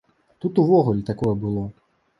Тут увогуле такое было.